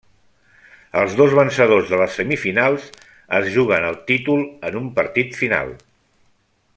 Els dos vencedors de les semifinals es juguen el títol en un partit final.